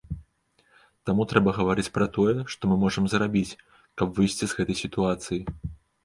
Таму трэба гаварыць пра тое, што мы можам зрабіць, каб выйсці з гэтай сітуацыі.